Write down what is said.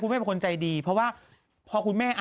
แม่เป็นคนใจดีเพราะว่าพอคุณแม่